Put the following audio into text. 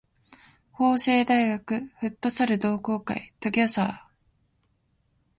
法政大学フットサル同好会 together